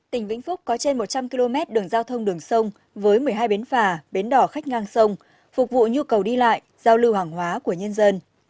tỉnh vĩnh phúc có trên một trăm linh km đường giao thông đường sông với một mươi hai bến phà bến đỏ khách ngang sông phục vụ nhu cầu đi lại giao lưu hàng hóa của nhân dân